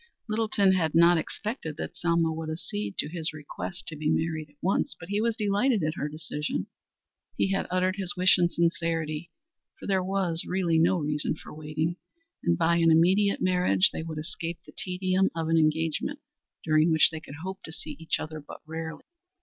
Littleton had not expected that Selma would accede to his request to be married at once, but he was delighted at her decision. He had uttered his wish in sincerity, for there was really no reason for waiting, and by an immediate marriage they would escape the tedium of an engagement during which they could hope to see each other but rarely.